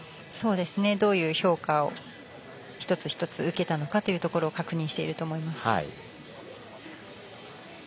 どういう評価を一つ一つ受けたのかを確認していると思います。